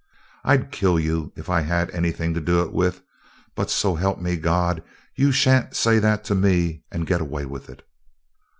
"I'd kill you if I had anything to do it with, but, so help me God, you shan't say that to me and get away with it!"